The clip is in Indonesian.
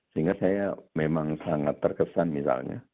sehingga saya memang sangat terkesan misalnya